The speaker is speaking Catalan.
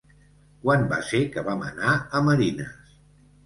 Quan va ser que vam anar a Marines?